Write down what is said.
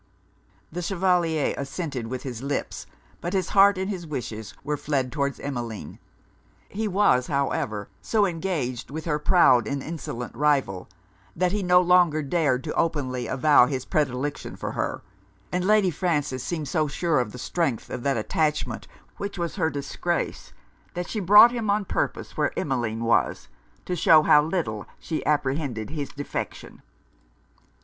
' The Chevalier assented with his lips; but his heart and his wishes were fled towards Emmeline. He was, however, so engaged with her proud and insolent rival, that he no longer dared openly to avow his predilection for her: and Lady Frances seemed so sure of the strength of that attachment which was her disgrace, that she brought him on purpose where Emmeline was, to shew how little she apprehended his defection.